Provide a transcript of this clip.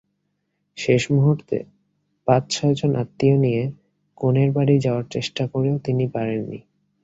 শেষ মুহূর্তে পাঁচ-ছয়জন আত্মীয় নিয়ে কনের বাড়ি যাওয়ার চেষ্টা করেও তিনি পারেননি।